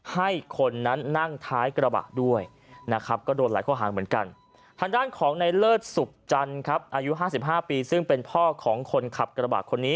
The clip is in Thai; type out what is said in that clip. ทางด้านของนายเลิศสุบจันทร์อายุ๕๕ปีซึ่งเป็นพ่อของคนขับกระบาดคนนี้